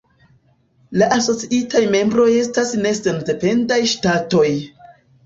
La asociitaj membroj estas ne sendependaj ŝtatoj.